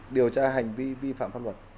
điều tra hành vi vi phạm pháp luật